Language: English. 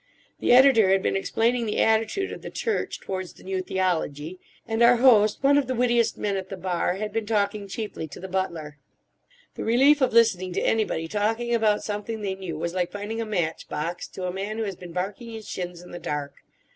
The editor had been explaining the attitude of the Church towards the New Theology; and our host, one of the wittiest men at the Bar, had been talking chiefly to the butler. The relief of listening to anybody talking about something they knew was like finding a match box to a man who has been barking his shins in the dark.